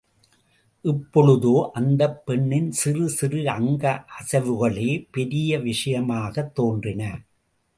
இப்பொழுதோ அந்தப் பெண்ணின் சிறு சிறு அங்க அசைவுகளே பெரிய விஷயமாகத் தோன்றின.